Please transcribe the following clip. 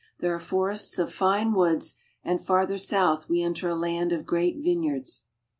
There are forests of fine woods, and farther south we enter a land of great vineyards.